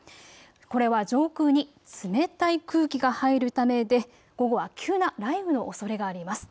これは上空に冷たい空気が入るためで午後は急な雷雨のおそれがあります。